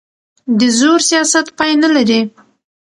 د زور سیاست پای نه لري